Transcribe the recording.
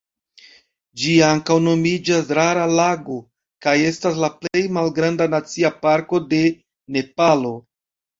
Ĝi ankaŭ nomiĝas Rara Lago, kaj estas la plej malgranda nacia parko de Nepalo.